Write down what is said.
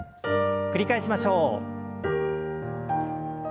繰り返しましょう。